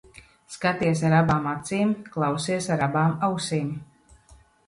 Skaties ar abām acīm, klausies ar abām ausīm.